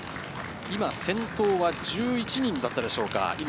今、先頭は１１人だったでしょうか。